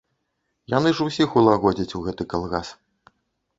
Яны ж усіх улагодзяць у гэты калгас.